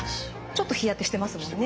ちょっと日焼けしてますもんね。